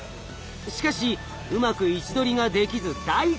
しかしうまく位置取りができず大苦戦。